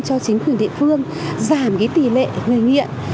cho chính quyền địa phương giảm cái tỷ lệ người nghiện